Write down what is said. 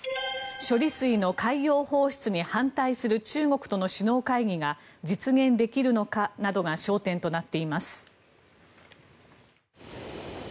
処理水の海洋放出に反対する中国との首脳会議が実現できるのかなどが焦点となっています。